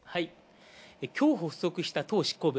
きょう発足した党執行部。